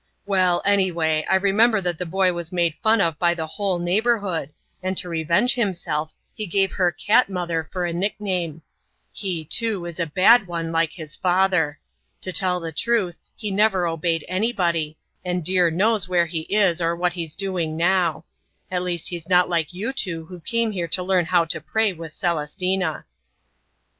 "Well, anyway, I remember that the boy was made fun of by the whole neighborhood, and to revenge himself he gave her 'Cat Mother' for a nickname. He, too, is a bad one like his father. To tell the truth he never obeyed anybody, and dear knows where he is or what he's doing now. At least he's not like you two who came here to learn how to pray with Celestina."